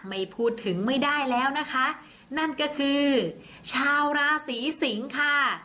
ไม่พูดถึงไม่ได้แล้วนะคะนั่นก็คือชาวราศีสิงค่ะ